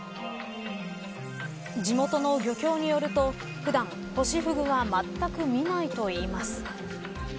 地元の漁協によると普段ホシフグはまったく見ないといいます。